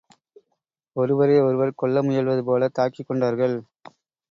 ஒருவரை ஒருவர் கொல்ல முயல்வது போல தாக்கிக்கொண்டார்கள்.